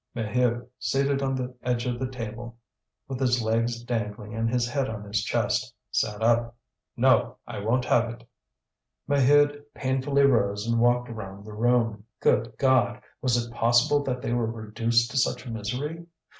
Maheu, seated on the edge of the table, with his legs dangling and his head on his chest, sat up. "No! I won't have it!" Maheude painfully rose and walked round the room. Good God! was it possible that they were reduced to such misery?